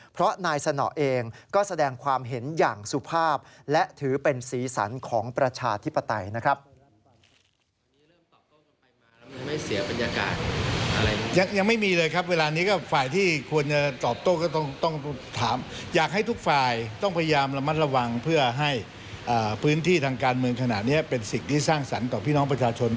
เพราะนายสนอเองก็แสดงความเห็นอย่างสุภาพและถือเป็นสีสันของประชาธิปไตยนะครับ